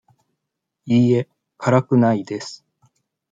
いいえ、辛くないです。